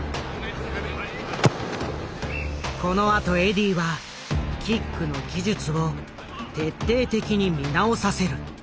このあとエディーはキックの技術を徹底的に見直させる。